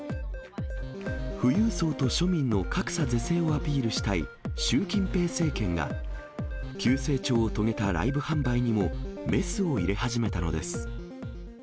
富裕層と庶民の格差是正をアピールしたい習近平政権が、急成長を遂げたライブ販売にもメスを入れ始めたのです。